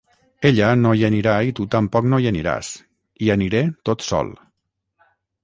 Ella no hi anirà i tu tampoc no hi aniràs: hi aniré tot sol.